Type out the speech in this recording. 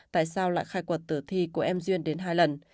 tại sao lại khai quật tử thi của em duyên đến hai lần